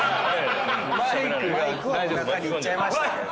マイクは中にいっちゃいましたけど。